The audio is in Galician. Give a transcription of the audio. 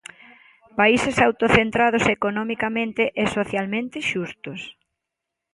Países autocentrados economicamente e socialmente xustos.